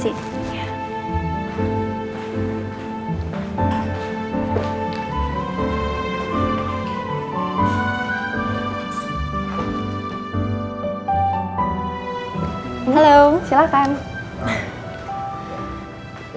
baik bu kalau gitu saya permisi